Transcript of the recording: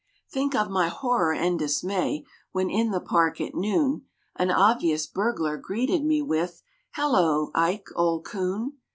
Think of my horror and dismay when, in the Park at noon, An obvious burglar greeted me with, "Hullo, Ike, old coon!"